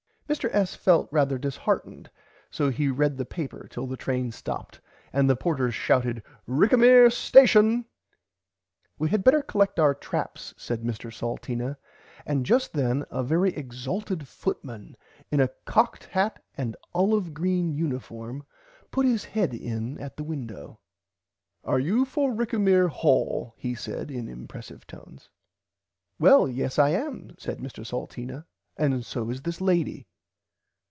Mr. S. felt rarther disheartened so he read the paper till the train stopped and the porters shouted Rickamere station. We had better collect our traps said Mr Salteena and just then a very exalted footman in a cocked hat and olive green uniform put his head in [Pg 30] at the window. Are you for Rickamere Hall he said in impressive tones. Well yes I am said Mr Salteena and so is this lady.